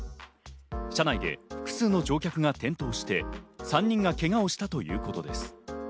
車内で複数の乗客が転倒して３人がけがをしたということです。